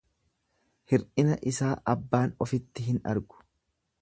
Hir'ina isaa abbaan ofitti hin argu.